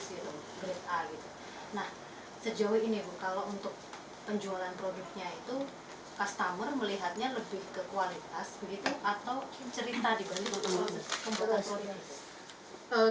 nah sejauh ini untuk penjualan produknya itu customer melihatnya lebih ke kualitas begitu atau cerita dibandingkan